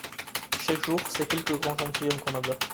Chaque jour c’est quelque grand gentilhomme qu’on abat.